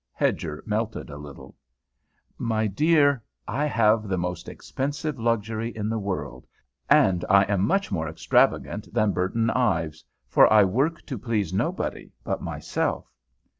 Hedger melted a little. "My dear, I have the most expensive luxury in the world, and I am much more extravagant than Burton Ives, for I work to please nobody but myself."